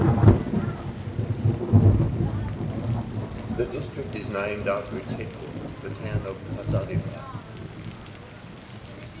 The district is named after its headquarters, the town of Hazaribagh.